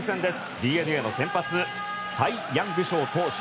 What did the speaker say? ＤｅＮＡの先発サイ・ヤング賞投手